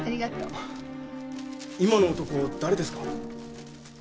今の男誰ですか？